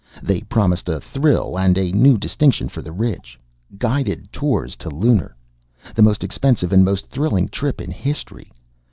They promised a thrill and a new distinction for the rich. Guided tours to Lunar! The most expensive and most thrilling trip in history!